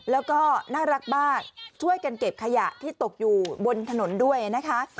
แล้วก็น่ารักมากช่วยกันเก็บขยะที่ตกอยู่บนถนนด้วยนะคะ